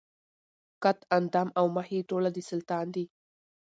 قد اندام او مخ یې ټوله د سلطان دي